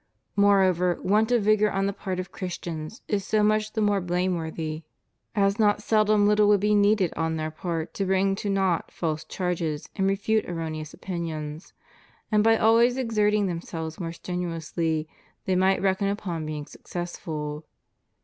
Moreover, want of vigor on the part of Christians is so much the more blameworthy, as not seldom httle would be needed on their part to bring to naught false charges and refute erroneous opinions; and by always exerting themselves more strenuously they might reckon upon being successful.